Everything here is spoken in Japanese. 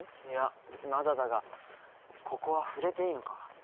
いやまだだがここは触れていいのか？